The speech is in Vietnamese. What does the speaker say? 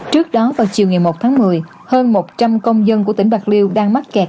trước đó vào chiều ngày một tháng một mươi hơn một trăm linh công dân của tỉnh bạc liêu đang mắc kẹt